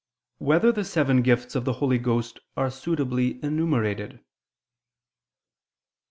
4] Whether the Seven Gifts of the Holy Ghost Are Suitably Enumerated?